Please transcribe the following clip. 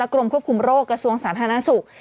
กรมควบคุมโรคกระทรวงสาธารณสุข